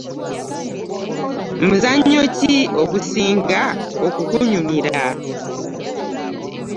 Muzanyo ki ogusinga okukunyira?